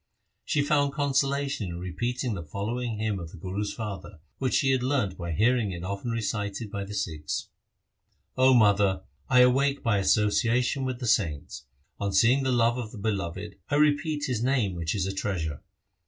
She found consolation in repeating the following hymn of the Guru's father, which she had learned by hearing it often recited by the Sikhs :— 0 mother, I awake by association with the saints ; On seeing the love of the Beloved, I repeat His name which is a treasure.